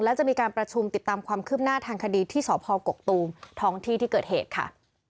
และจะมีการประชุมติดตามความคืบหน้าทางคดีที่สพกกตูมท้องที่ที่เกิดเหตุค่ะ